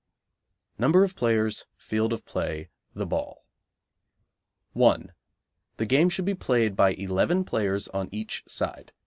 Number of Players. Field of Play. The Ball. 1. The game should be played by eleven players on each side.